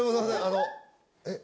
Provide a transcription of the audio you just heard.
あのえっ？